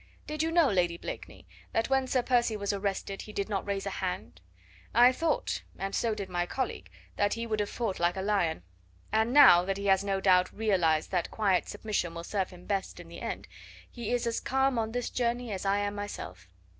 Did you know, Lady Blakeney, that when Sir Percy was arrested he did not raise a hand. I thought, and so did my colleague, that he would have fought like a lion. And now, that he has no doubt realised that quiet submission will serve him best in the end, he is as calm on this journey as I am myself.